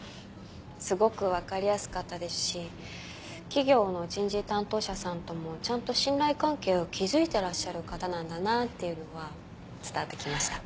すごく分かりやすかったですし企業の人事担当者さんともちゃんと信頼関係を築いてらっしゃる方なんだなっていうのは伝わって来ました。